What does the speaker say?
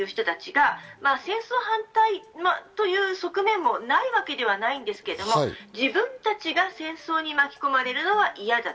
徴兵に行きたくないという人たちが戦争反対という側面もないわけではないんですけれど、自分たちが戦争に巻き込まれるのは嫌だ。